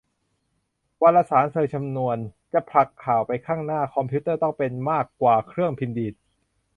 วารสารศาสตร์เชิงคำนวณ : จะผลักข่าวไปข้างหน้า คอมพิวเตอร์ต้องเป็นมากกว่าเครื่องพิมพ์ดีด